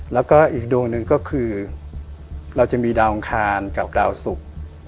และอีกดวงหนึ่งก็คือเราจะมีดาวองคารกับดาวสุข